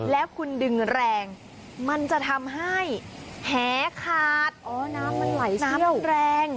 แล้วคุณดึงแรงมันจะทำให้แหขาดอ๋อน้ำมันไหลน้ำแรง